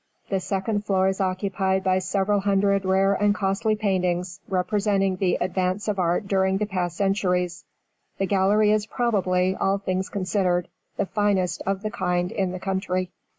The second floor is occupied by several hundred rare and costly paintings, representing the advance of art during the past centuries. The gallery is, probably, all things considered, the finest of the kind in the country.